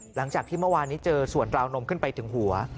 หลังจากที่เมื่อวานนี้เจอส่วนราวนมขึ้นไปถึงหัว